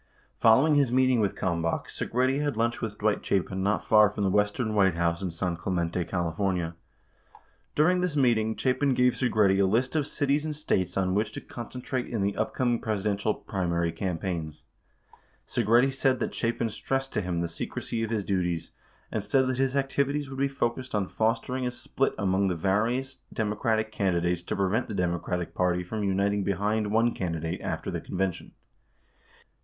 10 Following his meeting with Kalmbach, Segretti had lunch with Dwight Chapin not far from the Western White House in San Cle mente, Calif. During this meeting, Chapin gave Segretti a list of cities and States on w hich to concentrate in the upcoming Presidential primary campaigns. Segretti said that Chapin stressed to him the secrecy of his duties, and said that his activities should be focused on fostering a split among the various Democratic candidates to prevent the Democratic Party from uniting behind one candidate after the convention.